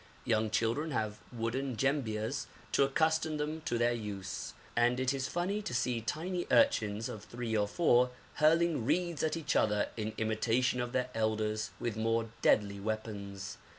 Young children have wooden jembias to accustom them to their use, and it is funny to see tiny urchins of three or four hurling reeds at each other in imitation of their elders with more deadly weapons.